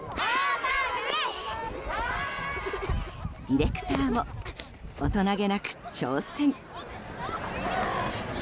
ディレクターも大人げなく挑戦。